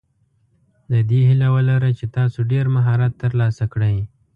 د دې هیله ولره چې تاسو ډېر مهارت ترلاسه کړئ.